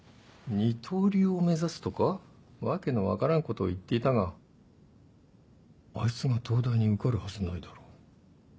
二刀流を目指すとか訳の分からんことを言っていたがあいつが東大に受かるはずないだろう。